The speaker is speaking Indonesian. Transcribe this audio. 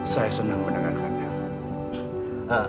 saya senang mendengarkannya